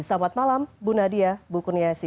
selamat malam bu nadia bu kuniasi